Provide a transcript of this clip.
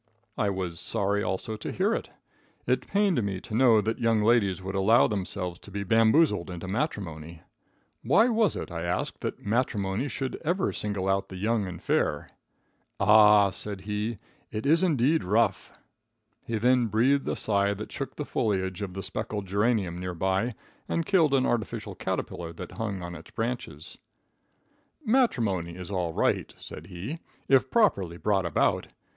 I was sorry also to hear it. It pained me to know that young ladies should allow themselves to be bamboozled into matrimony. Why was it, I asked, that matrimony should ever single out the young and fair? "Ah," said he, "it is indeed rough!" He then breathed a sigh that shook the foilage of the speckled geranium near by, and killed an artificial caterpillar that hung on its branches. "Matrimony is all right," said he, "if properly brought about.